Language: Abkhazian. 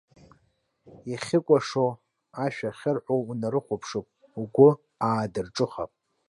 Иахьыкәашо, ашәа ахьырҳәо унарыхәаԥшып, угәы аадырҿыхап.